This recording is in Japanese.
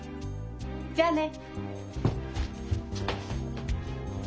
じゃあね。